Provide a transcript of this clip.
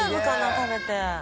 食べて。